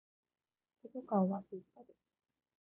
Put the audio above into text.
図書館は静かです。